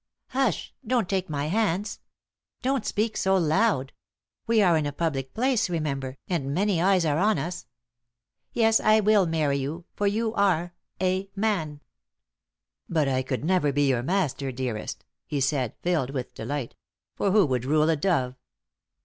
"Hush! Don't take my hands; don't speak so loud. We are in a public place, remember, and many eyes are on us. Yes, I will marry you, for you are a man!" "But I can never be your master, dearest," he said, filled with delight; "for who would rule a dove?"